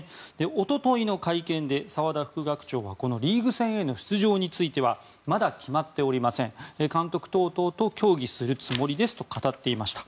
一昨日の会見で澤田副学長はこのリーグ戦への出場についてはまだ決まっておりません監督等々と協議するつもりですと語っていました。